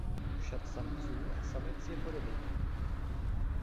Šat samců a samic je podobný.